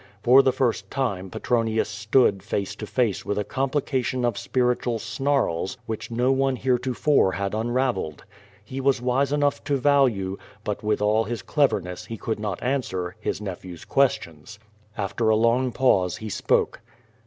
For the first time Petronius stood face to face with a complication of spir itual snarls which no one heretofore had unravelled. He was wise enough to value, but with all his cleverness he could not answer his nephew's questions. After a long pause he spoke.